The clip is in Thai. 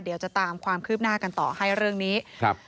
เดี๋ยวจะตามความคืบหน้ากันต่อให้เรื่องนี้ครับ